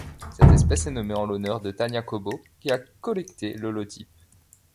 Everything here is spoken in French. Cette espèce est nommée en l'honneur de Tania Cobo, qui a collecté l'holotype.